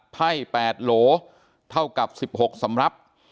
ไพ่๘โหลเท่ากับ๑๖สำรับ